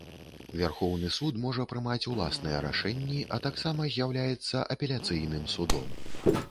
Вярхоўны суд можа прымаць уласныя рашэнні, а таксама з'яўляецца апеляцыйным судом.